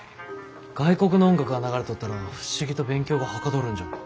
外国の音楽が流れとったら不思議と勉強がはかどるんじゃ。